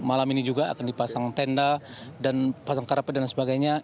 malam ini juga akan dipasang tenda dan pasang karape dan sebagainya